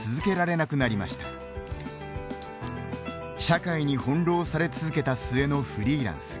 社会に翻弄され続けた末のフリーランス。